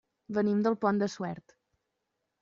Venim del Pont de Suert.